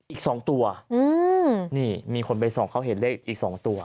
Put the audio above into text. อีกสองตัวอืมนี่มีคนไปส่องเขาเห็นเลขอีก๒ตัว